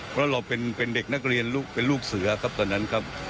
เพราะเราเป็นเด็กนักเรียนลูกเป็นลูกเสือครับตอนนั้นครับ